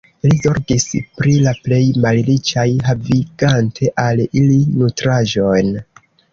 Li zorgis pri la plej malriĉaj, havigante al ili nutraĵon.